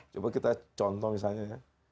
coba kita contoh misalnya ya